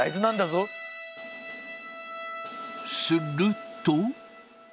すると。